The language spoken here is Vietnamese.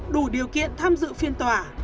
đủ điều kiện tham dự phiên tòa